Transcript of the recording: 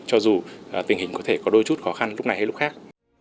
cho dù tình hình có thể có đôi chút khó khăn lúc này hay lúc khác